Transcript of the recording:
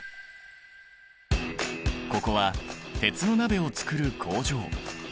ここは鉄の鍋を作る工場。